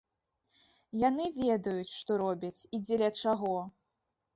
Яны ведаюць, што робяць і дзеля чаго.